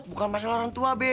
bukan masalah orang tua be